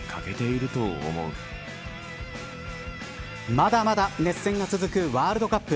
まだまだ熱戦が続くワールドカップ。